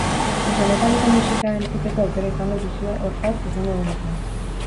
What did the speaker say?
Denetariko musika entzuteko aukera izango duzue, hortaz, hurrengo egunetan.